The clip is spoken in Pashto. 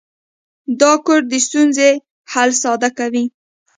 دا کوډ د ستونزې حل ساده کوي.